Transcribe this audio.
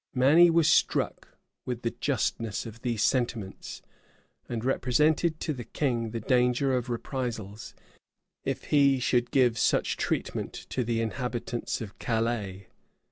Manny was struck with the justness of these sentiments, and represented to the king the danger of reprisals, if he should give such treatment to the inhabitants of Calais.